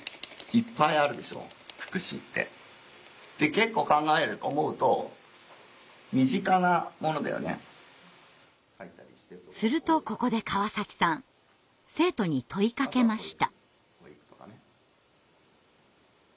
結構考えると思うとするとここで川崎さん生徒に問いかけました。